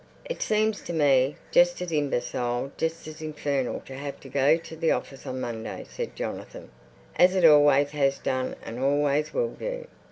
"It seems to me just as imbecile, just as infernal, to have to go to the office on Monday," said Jonathan, "as it always has done and always will do.